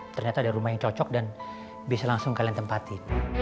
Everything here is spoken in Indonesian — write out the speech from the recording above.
ternyata ada rumah yang cocok dan bisa langsung kalian tempati